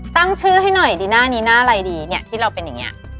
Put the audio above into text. ตั้งชื่อให้หน่อยดีหน้านี้หน้าอะไรดีเนี่ยที่เราเป็นอย่างนี้